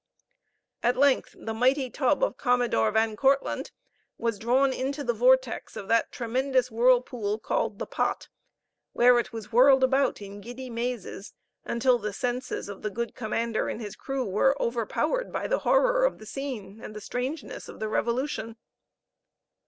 At length the mighty tub of Commodore Van Kortlandt was drawn into the vortex of that tremendous whirlpool called the Pot, where it was whirled about in giddy mazes, until the senses of the good commander and his crew were overpowered by the horror of the scene, and the strangeness of the revolution.